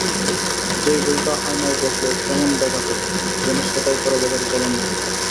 সেই গোলটা আয়নায় দেখলে কেমন দেখাত—যেন সেটাই করে দেখাতে চাইলেন মেসি।